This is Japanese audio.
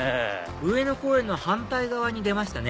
上野公園の反対側に出ましたね